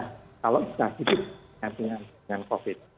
kalau kita hidup nanti dengan covid sembilan belas